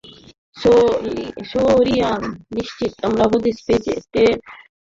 সোরিয়ান নিশ্চিত আমার হদিশ পেয়ে জেটে অল্টিটিউড বোমা লাগিয়ে দিয়েছিল।